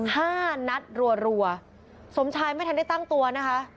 ห้านัดรัวสมชายไม่ทันได้ตั้งตัวนะคะ